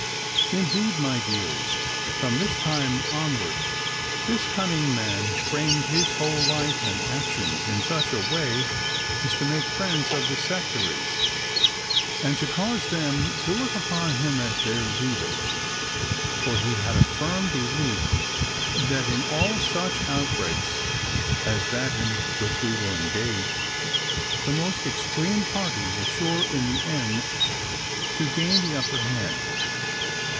Indeed, my dears, from this time onward this cunning man framed his whole life and actions in such a way as to make friends of the sectaries, and to cause them to look upon him as their leader. For he had a firm belief that in all such outbreaks as that in which we were engaged, the most extreme party is sure in the end to gain the upper hand.